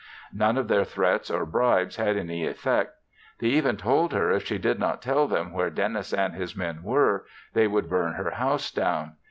None of their threats or bribes had any effect. They even told her if she did not tell where Dennis and his men were, they would burn her house down.